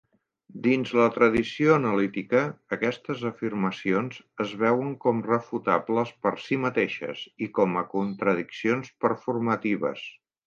Dins la tradició analítica, aquestes afirmacions es veuen com refutables per sí mateixes i com contradiccions performatives.